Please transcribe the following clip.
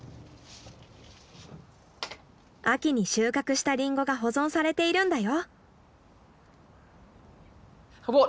秋に収穫したリンゴが保存されているんだよ。